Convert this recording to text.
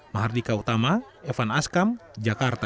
mahardika utama evan askam jakarta